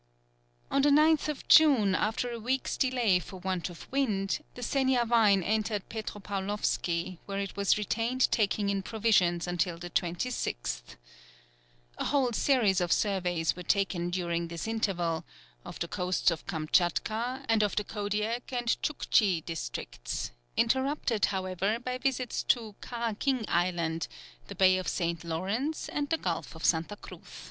On the 9th June, after a week's delay for want of wind, the Seniavine entered Petropaulovsky, where it was retained taking in provisions until the 26th. A whole series of surveys were taken during this interval, of the coasts of Kamtchatka, and of the Kodiak and Tchouktchi districts, interrupted, however, by visits to Karaghinsk Island, the bay of St. Lawrence, and the gulf of Santa Cruz.